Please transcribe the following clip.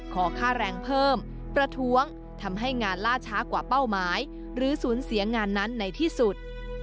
ขอค่าแรงเพิ่มประท้วงทำให้งานล่าช้ากว่าเป้าหมายหรือสูญเสียงานนั้นในที่สุด